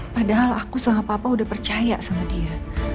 padahal aku sama papa udah percaya sama dia